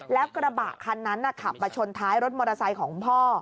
แล้วกระบะคันนั้นขับมาชนท้ายรถมอเตอร์ไซค์ของพ่อ